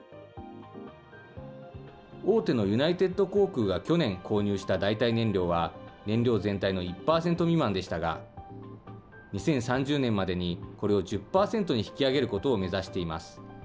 大手のユナイテッド航空が去年購入した代替燃料は、燃料全体の１％未満でしたが、２０３０年までにこれを１０％に引き上げることを目指しています。